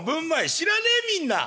知らねえみんな。